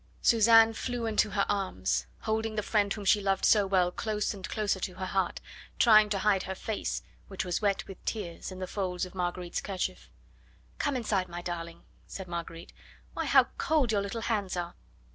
Suzanne flew into her arms, holding the friend whom she loved so well close and closer to her heart, trying to hide her face, which was wet with tears, in the folds of Marguerite's kerchief. "Come inside, my darling," said Marguerite. "Why, how cold your little hands are!"